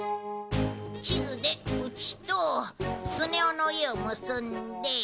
地図でうちとスネ夫の家を結んで。